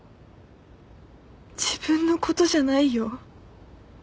自分のことじゃないよ。